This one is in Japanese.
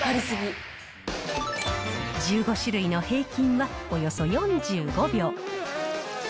１５種類の平均はおよそ４５秒。